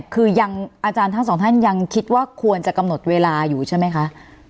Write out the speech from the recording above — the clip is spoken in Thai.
คือยังอาจารย์ทั้งสองท่านยังคิดว่าควรจะกำหนดเวลาอยู่ใช่ไหมคะ